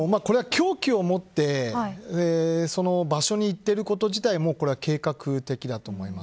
これは、凶器を持ってその場所に行っていること自体計画的だと思います。